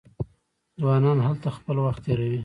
ځوانان هلته خپل وخت تیروي.